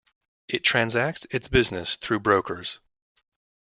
It transacts its business through brokers.